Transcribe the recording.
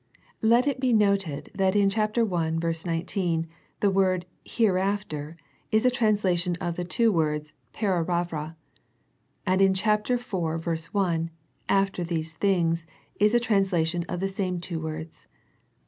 Let it be noted that in chapter i, verse 19, the word "hereafter" is a translation of the two words /Aera ravra, and in chapter iv, verse i, " after these things " is a translation of the same two words.